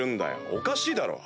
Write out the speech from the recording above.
おかしいだろ？